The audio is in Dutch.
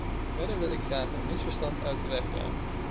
Verder wil ik graag een misverstand uit de weg ruimen.